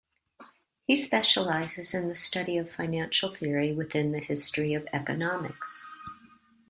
He specializes in the study of financial theory within the history of economics.